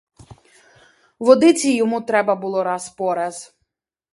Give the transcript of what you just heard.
Водиці йому треба було раз по раз.